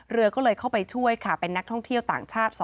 เรือก็เลยเข้าไปช่วยค่ะเป็นนักท่องเที่ยวต่างชาติ